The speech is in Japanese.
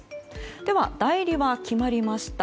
では、代理は決まりました。